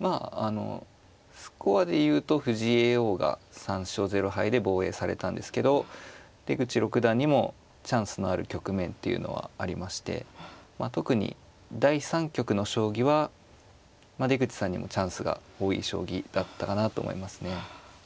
まああのスコアで言うと藤井叡王が３勝０敗で防衛されたんですけど出口六段にもチャンスのある局面っていうのはありまして特に第３局の将棋は出口さんにもチャンスが多い将棋だったかなと思いますね。